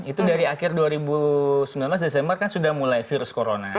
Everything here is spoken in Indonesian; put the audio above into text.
itu dari akhir dua ribu sembilan belas desember kan sudah mulai virus corona